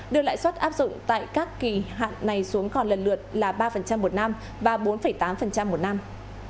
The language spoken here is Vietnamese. đưa lãi suất áp dụng tại các kỳ hạn này xuống còn lần lượt là ba một năm và bốn tám một năm